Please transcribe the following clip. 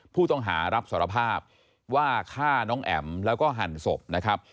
ผู้ต้องหารับสารภาพว่าฆ่าน้องแอ๋มแล้วก็หั่นศพนะครับ